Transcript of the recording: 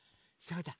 そうだ！